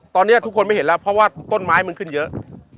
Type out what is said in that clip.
ตอนนี้ไม่เห็นแล้วเพราะว่ามีต้นไม้ขึ้นเยอะ